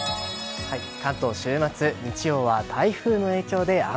関東、週末日曜は台風の影響で雨。